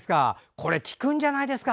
これ、効くんじゃないですか？